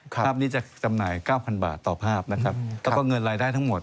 ภาพนี้จะจำหน่ายเก้าพันบาทต่อภาพนะครับแล้วก็เงินรายได้ทั้งหมด